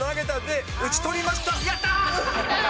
やったー！